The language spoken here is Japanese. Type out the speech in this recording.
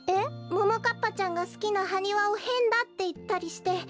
ももかっぱちゃんがすきなハニワをへんだっていったりして。